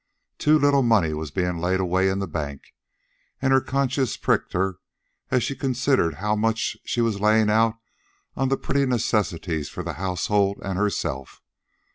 Too little money was being laid away in the bank, and her conscience pricked her as she considered how much she was laying out on the pretty necessaries for the household and herself.